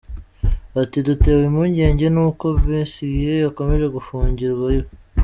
Ati "Dutewe impungenge n’uko Besigye akomeje gufungirwa iwe.